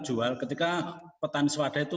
jual ketika petani swada itu